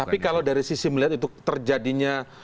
tapi kalau dari sisi melihat itu terjadinya